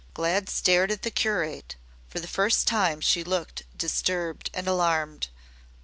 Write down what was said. Glad stared at the curate. For the first time she looked disturbed and alarmed.